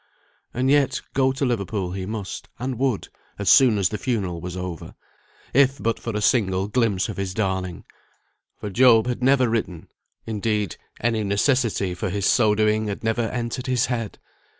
And yet go to Liverpool he must and would, as soon as the funeral was over, if but for a single glimpse of his darling. For Job had never written; indeed, any necessity for his so doing had never entered his head.